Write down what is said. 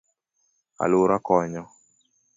Aluora konyo;